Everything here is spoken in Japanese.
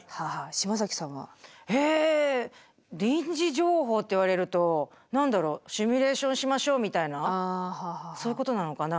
島崎さんは？え臨時情報って言われると何だろうシミュレーションしましょうみたいなそういうことなのかな？